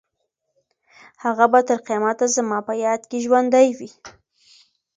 هغه به تر قیامته زما په یاد کې ژوندۍ وي.